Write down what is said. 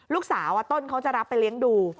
ลูกสาวต้นเขาจะรับไปเลี้ยงดู